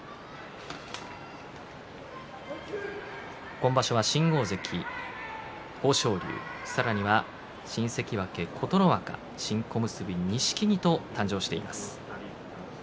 今場所は新大関豊昇龍さらには新関脇琴ノ若新小結錦木と誕生しています。